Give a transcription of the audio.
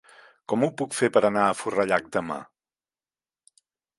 Com ho puc fer per anar a Forallac demà?